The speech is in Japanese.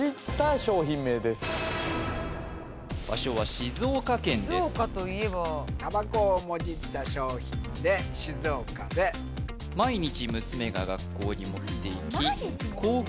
静岡といえばたばこをもじった商品で静岡で毎日娘が学校に持っていき毎日持っていく？